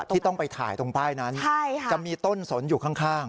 ที่ต้องไปถ่ายตรงป้ายนั้นจะมีต้นสนอยู่ข้าง